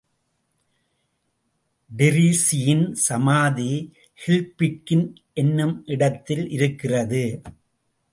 டிரீஸியின் சமாதி கில்பிக்கின் என்னுமிடத்தில் இருக்கிறது.